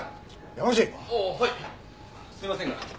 はいすいませんが。